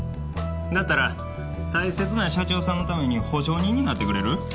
だったら大切な社長さんのために保証人になってくれる？